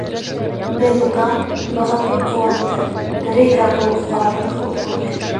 Бен Ганн быға бик ҡыуанды, Грей ҙа был ҡарарҙы хуп күрҙе.